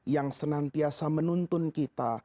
yang senantiasa menuntun kita